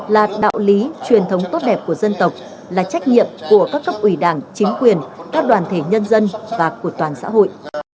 là đạo lý truyền thống tốt đẹp của dân tộc là trách nhiệm của các cấp ủy đảng chính quyền các đoàn thể nhân dân và của toàn xã hội